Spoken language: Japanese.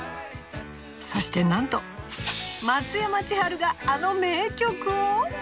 そしてなんと松山千春があの名曲を！？